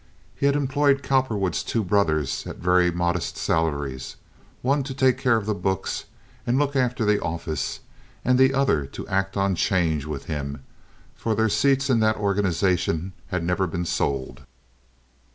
He had employed Cowperwood's two brothers, at very moderate salaries—one to take care of the books and look after the office, and the other to act on 'change with him, for their seats in that organization had never been sold.